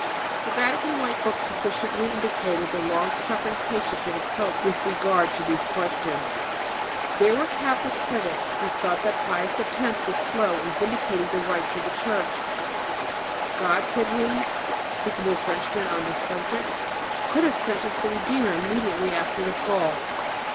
The Vatican White Book sufficiently indicated the long suffering patience of the pope with regard to these questions. There were Catholic critics who thought that Pius X was slow in vindicating the rights of the Church. "God," said he, speaking to a Frenchman on this subject, "could have sent us the Redeemer immediately after the Fall.